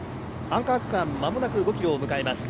アンカー区間間もなく５ｋｍを迎えます。